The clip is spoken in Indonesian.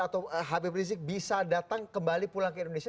atau habib rizik bisa datang kembali pulang ke indonesia